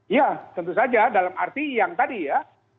ya tentu saja dalam arti yang tadi ya